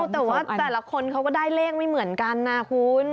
แต่ว่าแต่ละคนเขาก็ได้เลขไม่เหมือนกันนะคุณ